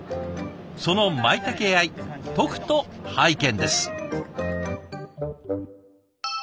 そのまいたけ愛とくと拝見です。